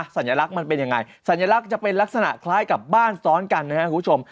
สัญลักษณ์มันเป็นยังไงสัญลักษณ์จะเป็นลักษณะคล้ายกับบ้านซ้อนกันนะครับคุณผู้ชม